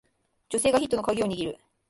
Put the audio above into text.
女性がヒットのカギを握る